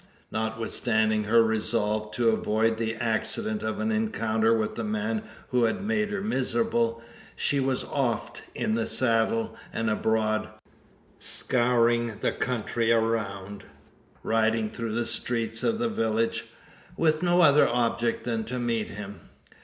Notwithstanding her resolve, to avoid the accident of an encounter with the man who had made her miserable, she was oft in the saddle and abroad, scouring the country around riding through the streets of the village with no other object than to meet him.